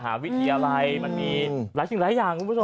มันมีอะไรมันมีหลายอย่าง